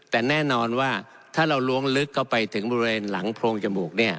แต่แน่นอนว่าถ้าเราล้วงลึกเข้าไปถึงบริเวณหลังโพรงจมูกเนี่ย